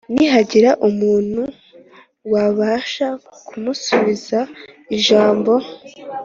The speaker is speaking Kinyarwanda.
Ntihagira umuntu wabasha kumusubiza ijambo